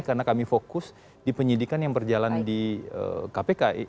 karena kami fokus di penyidikan yang berjalan di kpk